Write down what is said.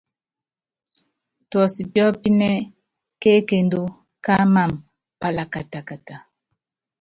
Tuɔsiɔ́pínɛ́ ke ekundu ká amam palakatakata.